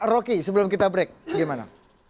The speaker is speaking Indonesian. roky sebelum kita break gimana